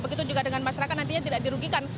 begitu juga dengan masyarakat nantinya tidak dirugikan